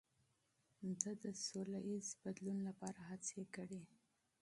ده د سولهییز بدلون لپاره هڅې کړي.